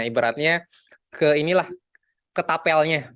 ibaratnya ke ini lah ke tapelnya